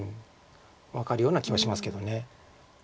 分かるような気はしますけど。